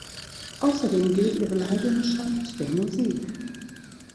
Außerdem gilt ihre Leidenschaft der Musik.